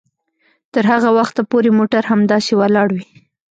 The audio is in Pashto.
تر هغه وخته پورې موټر همداسې ولاړ وي